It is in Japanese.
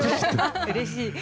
うれしい。